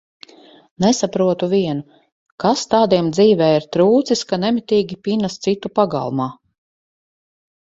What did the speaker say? Nesaprotu vienu, kas tādiem dzīvē ir trūcis, ka nemitīgi pinas citu pagalmā?